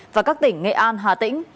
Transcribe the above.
và các tỉnh nghệ an hà tĩnh